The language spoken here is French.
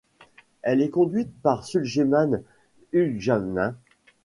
Elle est conduite par Sulejman Ugljanin.